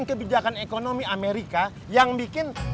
kebijakan ekonomi amerika yang bikin